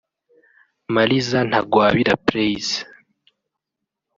Maliza Ntagwabira Praise